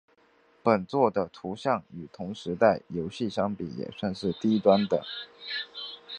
本作的图像与同时代游戏相比也算是低端的。